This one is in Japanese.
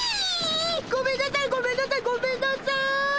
ごめんなさいごめんなさいごめんなさい！